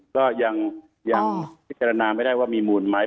ก็ยังพิจารณาไม่ได้ว่ามีมูลไหม